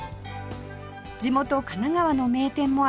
地元神奈川の名店もあり